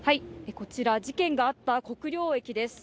こちら事件があった国領駅です。